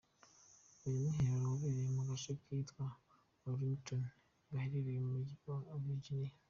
Uyu mwiherero wabereye mu gace kitwa Arlington gaherereye mu mujyi wa Virginia.